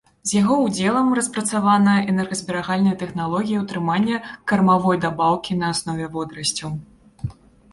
З яго ўдзелам распрацавана энергазберагальная тэхналогія атрымання кармавой дабаўкі на аснове водарасцяў.